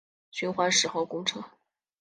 循环十号公车